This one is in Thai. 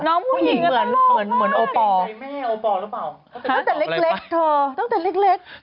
น้องผู้หญิงก็ตลอดมากเป็นใจแม่โอปอล์หรือเปล่าต้องแต่เล็กเถอะ